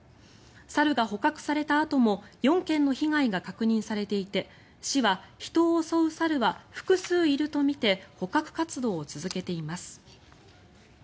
猿が捕獲されたあとも４件の被害が確認されていて市は人を襲う猿は複数いるとみて捕獲活動を続けています。